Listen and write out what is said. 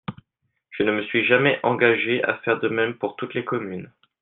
Je ne me suis jamais engagé à faire de même pour toutes les communes.